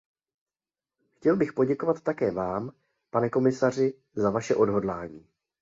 Chtěl bych poděkovat také vám, pane komisaři, za vaše odhodlání.